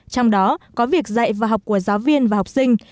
trong đó có việc dạy và học của giáo viên và học sinh